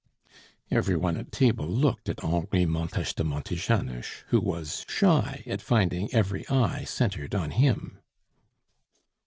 Every one at table looked at Henri Montes de Montejanos, who was shy at finding every eye centred on him.